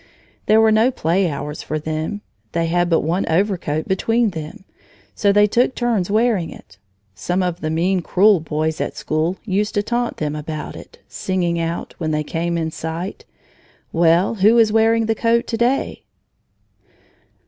There were no play hours for them. They had but one overcoat between them. So they took turns wearing it. Some of the mean, cruel boys at school used to taunt them about it, singing out, when they came in sight: "Well, who is wearing the coat to day?"